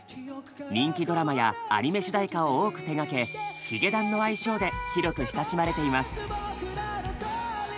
人気ドラマやアニメ主題歌を多く手がけ「ヒゲダン」の愛称で広く親しまれています。